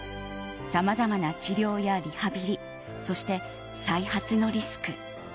さまざまな治療やリハビリそして再発のリスク。